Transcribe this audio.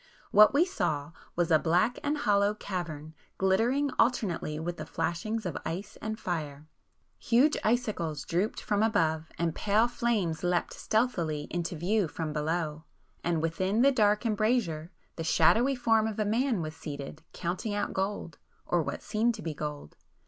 What we saw was a black and hollow cavern, glittering alternately with the flashings of ice and fire,—huge icicles drooped from above, and pale flames leaped stealthily into view from below, and within the dark embrasure, the shadowy form of a man was seated, counting out gold, or what seemed to be gold.